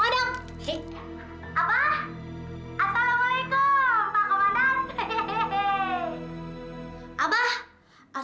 telepon abah ya